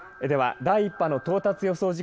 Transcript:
では第１波の到達予想